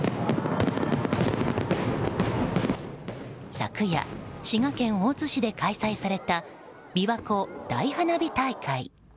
昨夜、滋賀県大津市で開催されたびわ湖大花火大会。